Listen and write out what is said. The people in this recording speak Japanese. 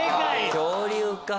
恐竜か！